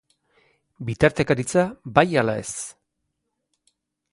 Bitartekaritza bai ala ez?